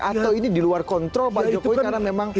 atau ini diluar kontrol pak jokowi karena memang ekosistem